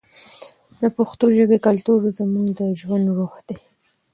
د پښتو ژبې کلتور زموږ د ژوند روح دی.